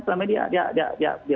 selama ini dia bukan dari